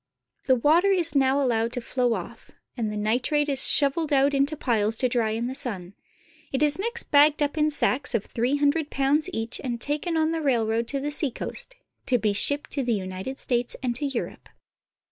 The water is now allowed to flow off", and the nitrate is shoveled out into piles to dry in the sun. It is next bagged up in sacks of three hundred pounds each and taken on the railroad to the seacoast, to be shipped to the United States and to Europe.